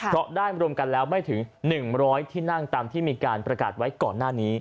เพราะได้รวมกันแล้วไม่ถึง๑๐๐ที่นั่งตามที่มีการประกาศไว้ก่อนหน้านี้